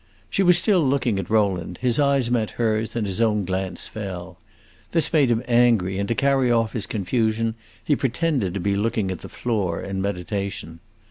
She was still looking at Rowland; his eyes met hers, and his own glance fell. This made him angry, and to carry off his confusion he pretended to be looking at the floor, in meditation.